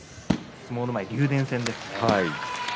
相撲のうまい竜電戦ですね。